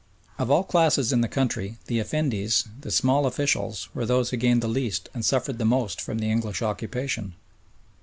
Of all classes in the country the "effendis," the small officials, were those who gained the least and suffered the most from the English occupation.